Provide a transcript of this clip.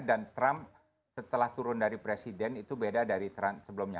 dan trump setelah turun dari presiden itu beda dari trump sebelumnya